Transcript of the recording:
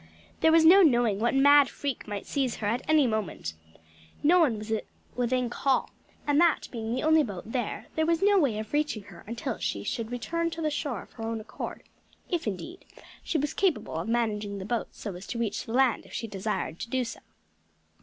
There was no knowing what mad freak might seize her at any moment; no one was within call, and that being the only boat there, there was no way of reaching her until she should return to the shore of her own accord; if indeed, she was capable of managing the boat so as to reach the land if she desired to do so.